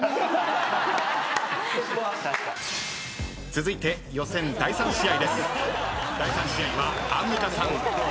続いて予選第３試合です。